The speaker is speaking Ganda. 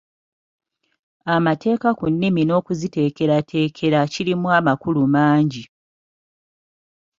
Amateeka ku nnimi n'okuziteekerateekera kirimu amakulu mangi.